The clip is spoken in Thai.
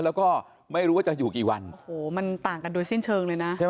แล้วก็ไม่รู้จะอยู่กี่วันมันต่างกันโดยสิ้นเชิงเลยนะใช่